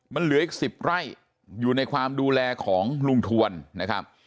มันเหลืออีก๑๐ไร่อยู่ในความดูแลของลุงทวนนะครับ